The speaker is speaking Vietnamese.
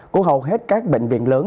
của hầu hết các bệnh viện lớn